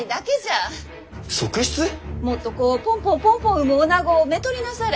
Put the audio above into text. もっとこうポンポンポンポン産むおなごをめとりなされ。